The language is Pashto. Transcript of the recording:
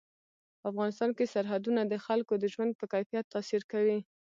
په افغانستان کې سرحدونه د خلکو د ژوند په کیفیت تاثیر کوي.